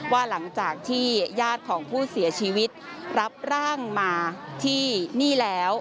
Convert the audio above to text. ว่าหลังจากที่ญาติของผู้เสียชีวิตรับร่างมาที่นี่แล้ว